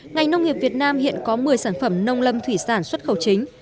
ngành nông nghiệp việt nam hiện có một mươi sản phẩm nông lâm thủy sản xuất khẩu chính